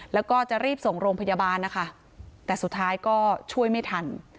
แล้วก็จะรีบส่งโรงพยาบาลนะคะแต่สุดท้ายก็ช่วยไม่ทัน